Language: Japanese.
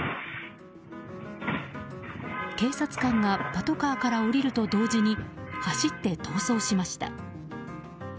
警察官がパトカーから降りると同時に走って逃走しました。